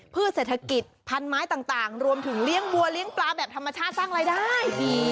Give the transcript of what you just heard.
เศรษฐกิจพันไม้ต่างรวมถึงเลี้ยงบัวเลี้ยงปลาแบบธรรมชาติสร้างรายได้ดี